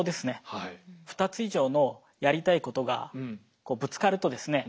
２つ以上のやりたいことがこうぶつかるとですね